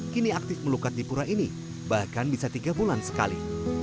kini aktif melukat di pura ini bahkan bisa tiga bulan sekali